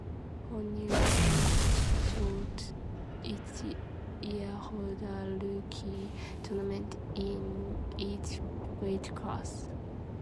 For new pros Shooto each year hold a rookie tournament in each weightclass.